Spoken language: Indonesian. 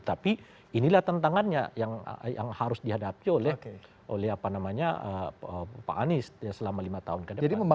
tapi inilah tantangannya yang harus dihadapi oleh pak anies selama lima tahun ke depan